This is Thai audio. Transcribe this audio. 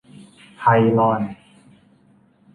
ไพลอน